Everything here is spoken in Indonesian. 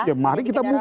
ya mari kita buka